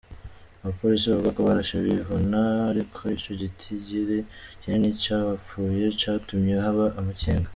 Abapolisi bavuga ko barashe bivuna, ariko ico gitigiri kinini c’abapfuye catumye haba amakenga.